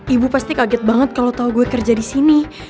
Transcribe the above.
ibu pasti kaget banget kalo tau gue kerja disini